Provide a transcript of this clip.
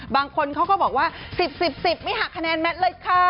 บางคนเขาก็บอกว่า๑๐๑๐ไม่หักคะแนนแมทเลยค่ะ